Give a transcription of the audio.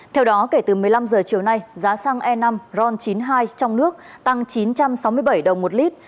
theo đó kể từ một mươi năm h chiều nay giá xăng e năm ron chín mươi hai trong nước tăng chín trăm sáu mươi bảy đồng một lít